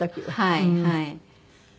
はいはい。